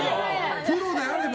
プロであれば。